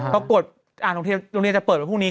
ปรากฏทุกทีโรงเรียนจะเปิดไปพรุ่งนี้